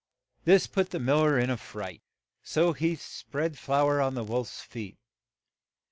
This put the mil ler in a fright, so he spread flour on the wolf's feet.